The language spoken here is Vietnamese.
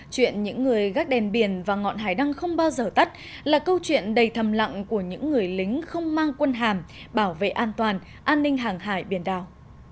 chuyện những người gác đèn biển và ngọn hải đăng không bao giờ tắt là câu chuyện đầy thầm lặng của những người lính không mang quân hàm bảo vệ an toàn an ninh hàng hải biển đảo